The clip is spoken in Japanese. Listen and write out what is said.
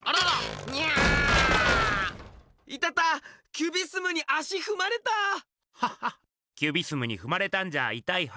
キュビスムに足ふまれた！ははっキュビスムにふまれたんじゃいたいはず。